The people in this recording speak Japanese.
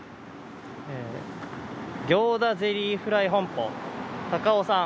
行田ゼリーフライ本舗たかおさん。